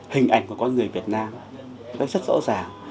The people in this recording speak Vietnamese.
điện ảnh của con người việt nam rất rõ ràng